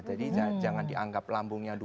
jadi jangan dianggap lambungnya dulu